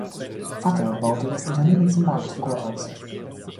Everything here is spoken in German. Vatter baute das Unternehmen zum Marktführer aus.